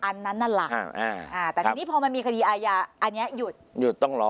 อันนั้นนั่นแหละแต่ทีนี้พอมันมีคดีอาญาอันนี้หยุดหยุดต้องรอ